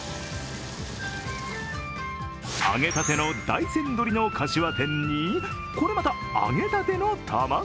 揚げたての大山鶏のかしわ天にこれまた揚げたての卵。